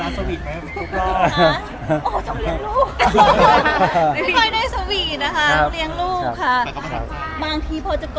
แล้วมีการแข่งเวลาสวีทไหมทุกรอบ